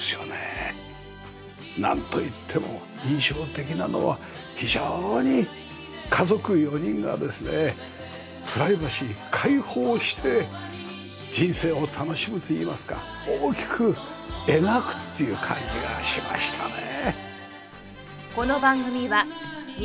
なんといっても印象的なのは非常に家族４人がですねプライバシーを開放して人生を楽しむといいますか大きく描くっていう感じがしましたね。